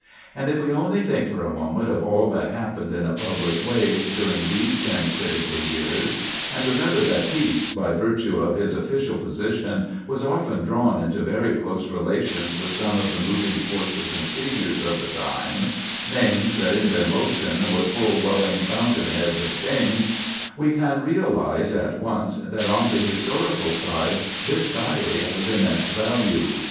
And if we only think for a moment of all that happened in a public way during these ten critical years, and remember that Pepys, by virtue of his official position, was often drawn into very close relations with some of the moving forces and figures of the time—"names that in their motion were full welling fountain heads of change,"—we can realize at once that on the historical side this Diary has immense value.